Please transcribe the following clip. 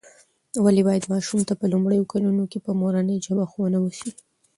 ولې باید ماشوم ته په لومړیو کلونو کې په مورنۍ ژبه ښوونه وسي؟